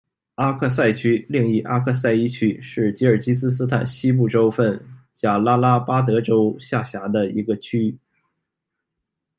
阿克塞区，另译阿克塞伊区，是吉尔吉斯斯坦西部州份贾拉拉巴德州下辖的一个区。